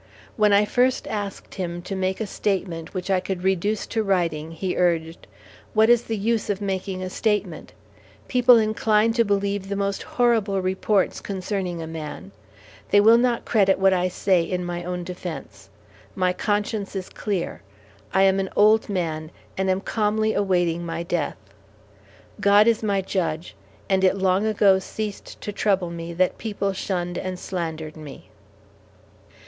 When I first asked him to make a statement which I could reduce to writing he urged: "What is the use of making a statement? People incline to believe the most horrible reports concerning a man; they will not credit what I say in my own defence. My conscience is clear. I am an old man, and am calmly awaiting my death. God is my judge, and it long ago ceased to trouble me that people shunned and slandered me."